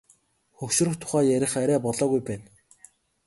Хөгшрөх тухай ярих арай болоогүй байна.